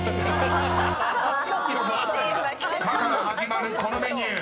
［「カ」から始まるこのメニュー。